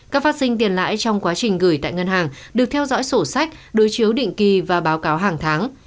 các phát sinh tiền lãi trong quá trình gửi tại ngân hàng được theo dõi sổ sách đối chiếu định kỳ và báo cáo hàng tháng